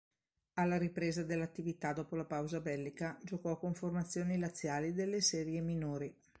Alla ripresa dell'attività dopo la pausa bellica giocò con formazioni laziali delle serie minori.